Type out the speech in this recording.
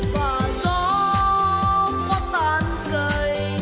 và gió mắt tan cười